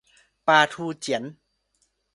ปลาทูเจี๋ยน